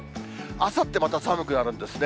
あさってまた寒くなるんですね。